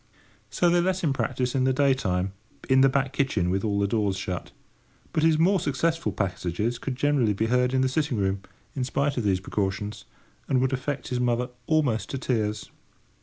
So they let him practise in the day time, in the back kitchen with all the doors shut; but his more successful passages could generally be heard in the sitting room, in spite of these precautions, and would affect his mother almost to tears.